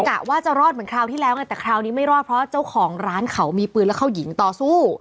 กะว่าจะรอดเหมือนคราวที่แล้วไงแต่คราวนี้ไม่รอดเพราะเจ้าของร้านเขามีปืนแล้วเข้าหญิงต่อสู้